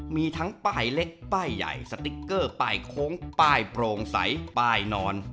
มีทั้งป้ายเล็กป้ายใหญ่สติ๊กเกอร์ป้ายโค้งป้ายโปร่งใสป้ายนอน